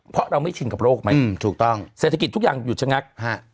เพราะเราไม่ชินกับโลกไหมอืมถูกต้องเศรษฐกิจทุกอย่างหยุดชะงักฮะ